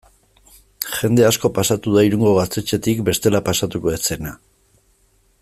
Jende asko pasatu da Irungo gaztetxetik bestela pasatuko ez zena.